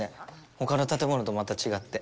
ほかの建物とまた違って。